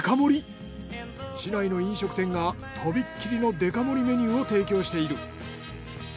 市内の飲食店がとびっきりのデカ盛りメニューを提供している。